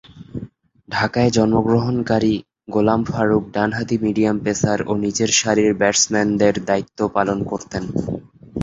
ঢাকায় জন্মগ্রহণকারী গোলাম ফারুক ডানহাতি মিডিয়াম পেসার ও নিচের সারির ব্যাটসম্যানের দায়িত্ব পালন করতেন।